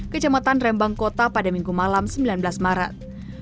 kejamatan rembang kota pada minggu malam sembilan belas maret